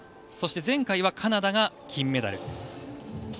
そして前回はカナダが金メダル。